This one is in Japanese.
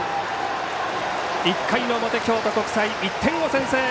１回の表、京都国際１点を先制！